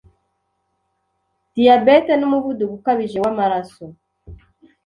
Diyabete n’umuvuduko ukabije w’amaraso